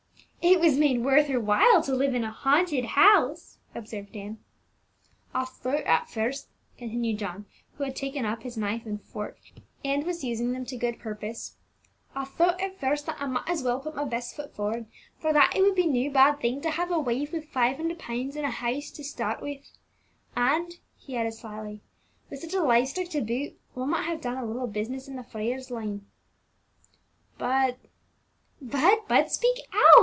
"It was made worth her while to live in a haunted house," observed Ann. "I thought at first," continued John, who had taken up his knife and fork, and was using them to good purpose, "I thought at first that I might as well put my best foot forward, for that it would be no bad thing to have a wife with five hundred pounds and a house to start with; and," he added slyly, "with such a live stock to boot, one might have done a little business in the furrier's line. But " "But, but, speak out!"